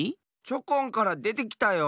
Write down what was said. チョコンからでてきたよ。